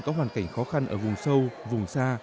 có hoàn cảnh khó khăn ở vùng sâu vùng xa